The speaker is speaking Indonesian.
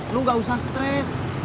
lu gak usah stres